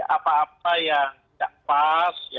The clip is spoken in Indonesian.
apa apa yang tidak pas